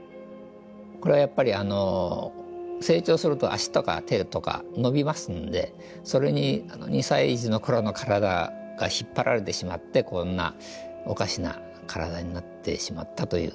これはやっぱり成長すると足とか手とか伸びますんでそれに２歳児の頃の体が引っ張られてしまってこんなおかしな体になってしまったという。